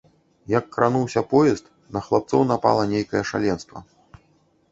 Як крануўся поезд, на хлапцоў напала нейкае шаленства.